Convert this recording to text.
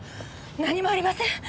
何もありません！